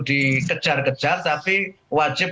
dikejar kejar tapi wajib